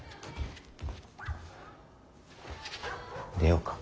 出ようか。